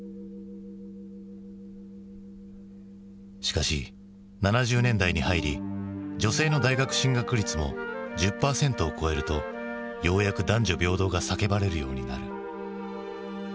しかし７０年代に入り女性の大学進学率も１０％を超えるとようやく男女平等が叫ばれるようになる。